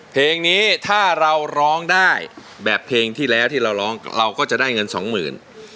เพลงนี้ถ้าเราร้องได้แบบเพลงที่แล้วที่เราร้องเราก็จะได้เงินสองหมื่น